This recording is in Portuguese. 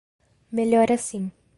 Melhor assim.